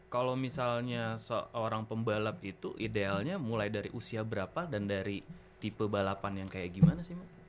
kalau misalnya seorang pembalap itu idealnya mulai dari usia berapa dan dari tipe balapan yang kayak gimana sih mbak